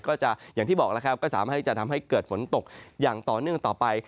อย่างที่บอกแล้วครับก็สามารถที่จะทำให้เกิดฝนตกอย่างต่อเนื่องต่อไป